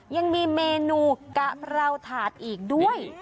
ยังมีเมนูกะเพราถาดอีกด้วย